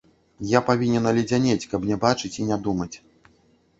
Я павінен аледзянець, каб не бачыць і не думаць.